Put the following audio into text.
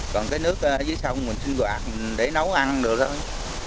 còn cái nước dưới sông mình xinh đoạt để nấu ăn được thôi